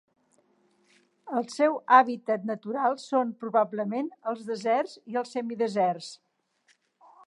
El seu hàbitat natural són probablement els deserts i els semideserts.